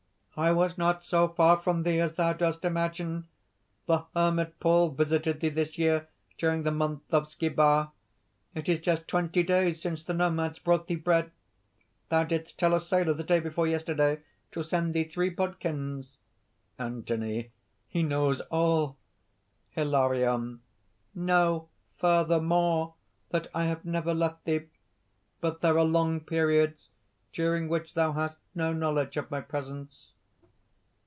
"I was not so far from thee as thou doest imagine. The hermit Paul visited thee this year, during the month of Schebar. It is just twenty days since the Nomads brought thee bread. Thou didst tell a sailor, the day before yesterday, to send thee three bodkins." ANTHONY. "He knows all!" HILARION. "Know further more that I have never left thee. But there are long periods during which thou hast no knowledge of my presence."